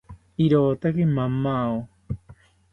Irotaki mamao